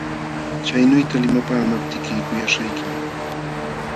Chaynuyta limapaamaptiyki kuyaśhaykim.